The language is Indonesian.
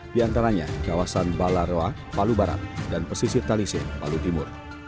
di antaranya kawasan balaroa palu barat dan pesisir talisir palu timur